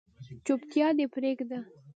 چوپتیا دې پریږده